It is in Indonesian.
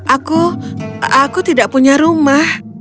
aku aku tidak punya rumah